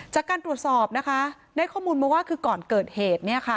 จากการตรวจสอบได้ข้อมูลว่าก่อนเกิดเหตุ